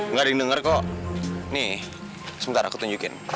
nih sebentar aku tunjukin